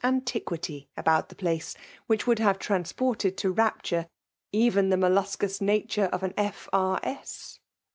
antiquity about the place which woald hav^^ iransj^rted to rapture even tl^e mol)u8coi)9 na^nre 4>f an F. B. S.